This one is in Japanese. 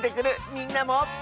みんなも。